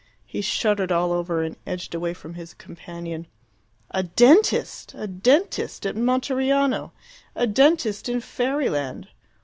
He shuddered all over, and edged away from his companion. A dentist! A dentist at Monteriano. A dentist in fairyland!